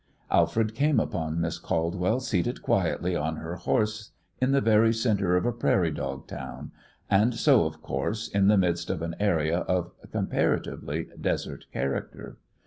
Alfred came upon Miss Caldwell seated quietly on her horse in the very centre of a prairie dog town, and so, of course, in the midst of an area of comparatively desert character.